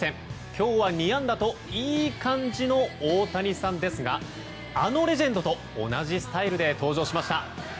今日は２安打といい感じの大谷さんですがあのレジェンドと同じスタイルで登場しました。